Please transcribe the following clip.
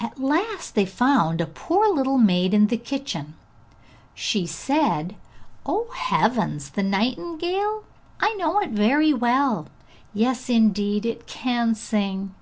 At last they found a poor little maid in the kitchen. She said, 'Oh heavens, the nightingale? I know it very well. Yes, indeed it can sing.